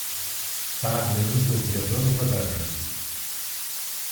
Bad news will be a little the better.